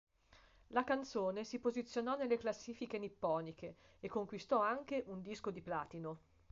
La canzone si posizionò nelle classifiche nipponiche e conquistò anche un disco di platino.